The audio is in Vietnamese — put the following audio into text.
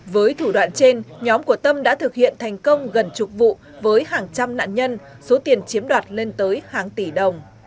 với thủ đoạn trên nhóm của tâm đã thực hiện thành công gần chục vụ với hàng trăm nạn nhân số tiền chiếm đoạt lên tới hàng tỷ đồng